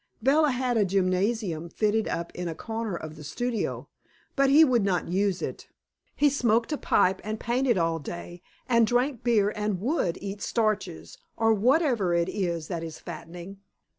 Bella had a gymnasium fitted up in a corner of the studio, but he would not use it. He smoked a pipe and painted all day, and drank beer and WOULD eat starches or whatever it is that is fattening.